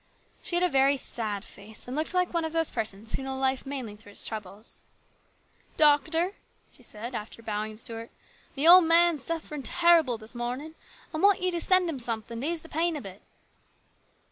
She had a very sad face, and looked like one of those persons who know life mainly through its troubles. "Doctor," she said, after bowing to Stuart, "me old man is sufferin' terrible this mornin'. I want ye to send him somethin' to ease the pain a bit."